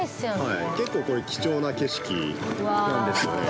結構これ貴重な景色なんですよね。